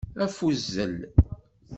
Afuzzel.